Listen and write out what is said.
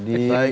di media itu